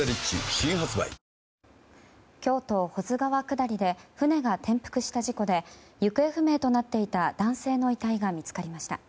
新発売京都・保津川下りで船が転覆した事故で行方不明となっていた男性の遺体が見つかりました。